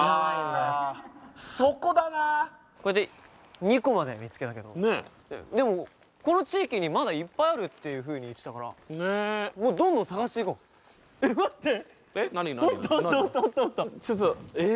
そこだなこれで２個までは見つけたけどねっでもこの地域にまだいっぱいあるっていうふうに言ってたからねっもうどんどん探していこうえっ待ってあったあったあったえっ何？